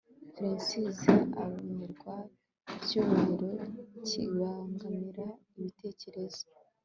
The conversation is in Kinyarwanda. Frenzies arumirwa icyubahiro kibangamira ibitekerezo